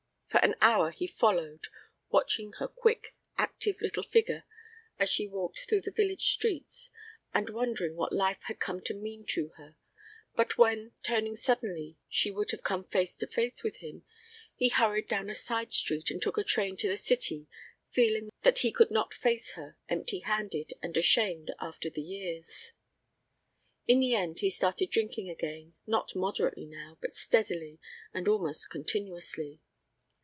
For an hour he followed, watching her quick, active little figure as she walked through the village streets, and wondering what life had come to mean to her, but when, turning suddenly, she would have come face to face with him, he hurried down a side street and took a train to the city feeling that he could not face her empty handed and ashamed after the years. In the end he started drinking again, not moderately now, but steadily and almost continuously.